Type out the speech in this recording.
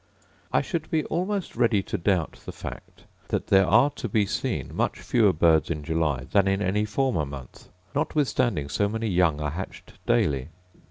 I should be almost ready to doubt the fact, that there are to be seen much fewer birds in July than in any former month, notwithstanding so many young are hatched daily.